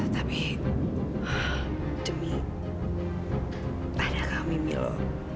tapi demi pada kami milo